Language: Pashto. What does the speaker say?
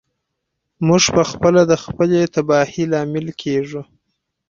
موږ پخپله د خپلې تباهۍ لامل کیږو.